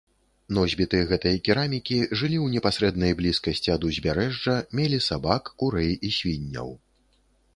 Носьбіты гэтай керамікі жылі ў непасрэднай блізкасці ад узбярэжжа, мелі сабак, курэй і свінняў.